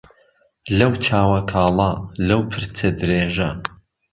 لەو چاوە کاڵە لەو پرچە درێژە